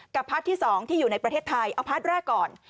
กับภาพที่๒ที่อยู่ในประเทศไทยเอาภาพแรกก่อน